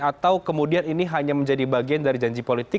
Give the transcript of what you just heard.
atau kemudian ini hanya menjadi bagian dari janji politik